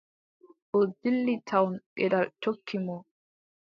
O dilli tawon geɗal jokki mo.